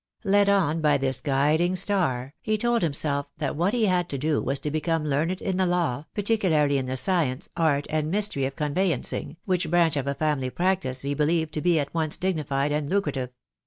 Led on by this guiding star he told himself that what he had to do was to become learned in the law, parti cularly in the science, art, and mystery of conveyancing, which branch of a family practice he believed to be at once dignified and lucrative.